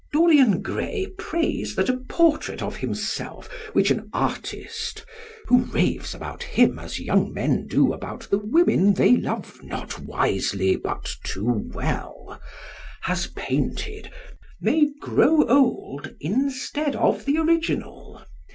Dorian Gray prays that a portrait of himself which an artist (who raves about him as young men do about the women they love not wisely but too well) has painted may grow old instead of the original.